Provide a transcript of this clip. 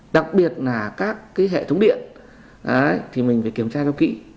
đặc biệt là các cái hệ thống điện thì mình phải kiểm tra cho kỹ